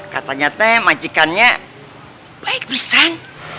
katanya majikannya baik pesan